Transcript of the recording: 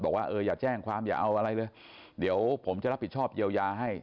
บอกว่าเอออย่าแจ้งความอย่าเอาอะไรเลยเดี๋ยวผมจะรับผิดชอบเยียวยาให้